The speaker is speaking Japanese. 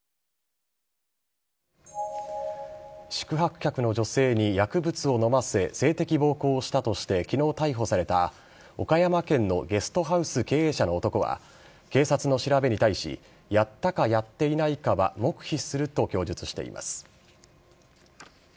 宿泊客の女性に薬物を飲ませ性的暴行をしたとして昨日逮捕された岡山県のゲストハウス経営者の男は警察の調べに対しやったかやっていないかは黙秘すると供述しています。